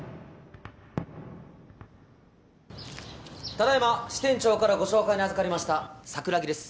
ただ今支店長からご紹介にあずかりました桜木です。